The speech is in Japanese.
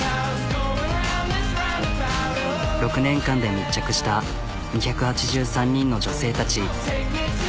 ６年間で密着した２８３人の女性たち。